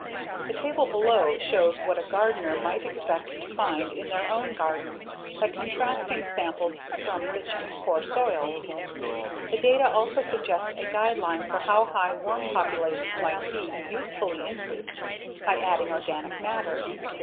The table below shows what a gardener might expect to find in their own garden by contrasting samples from rich and poor soils. The data also suggest a guideline for how high worm populations might be usefully increased by adding organic matter.